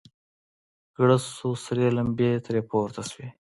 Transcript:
گړز سو سرې لمبې ترې پورته سوې.